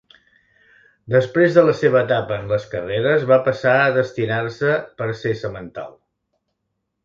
Després de la seva etapa en les carreres, va passar a destinar-se per a ser semental.